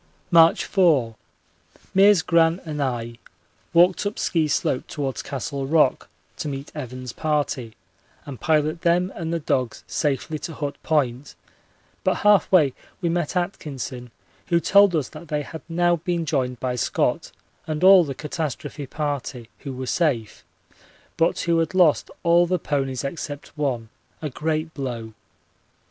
March 4. Meares, Gran, and I walked up Ski Slope towards Castle Rock to meet Evans's party and pilot them and the dogs safely to Hut Point, but half way we met Atkinson, who told us that they had now been joined by Scott and all the catastrophe party, who were safe, but who had lost all the ponies except one a great blow.